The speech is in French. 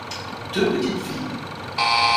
Deux petites filles.